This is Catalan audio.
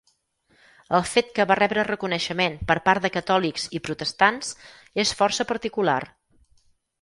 El fet que va rebre reconeixement per part de catòlics i protestants és força particular.